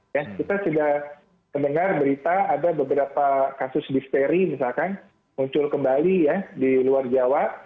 ya kita sudah mendengar berita ada beberapa kasus difteri misalkan muncul kembali ya di luar jawa